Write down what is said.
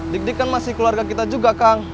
dikdikan masih keluarga kita juga kang